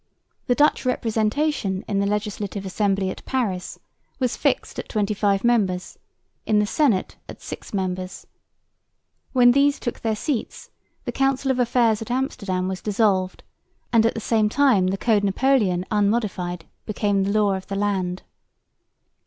The Dutch representation in the Legislative Assembly at Paris was fixed at twenty five members; in the Senate at six members. When these took their seats, the Council of Affairs at Amsterdam was dissolved and at the same time the Code Napoléon unmodified became the law of the land.